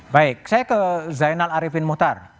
baik saya ke zainal arifin muhtar